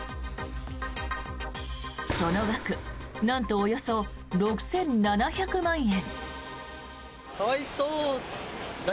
その額なんとおよそ６７００万円。